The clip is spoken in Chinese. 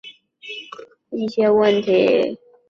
部活中存在的男女区别已引发了一些问题。